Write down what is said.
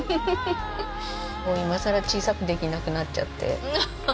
もう今さら小さくできなくなっちゃって。